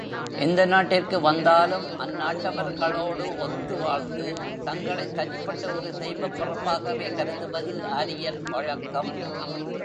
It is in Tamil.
எந்த நாட்டிற்கு வந்தாலும் அந்நாட்டவர்களோடு ஒத்து வாழ்ந்து, தங்களைத் தனிப்பட்ட ஒரு தெய்வப் பிறப்பாகவே கருதுவது ஆரியர் வழக்கம்.